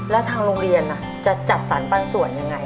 แล้วทางโรงเรียนจะจัดสรรปันส่วนยังไง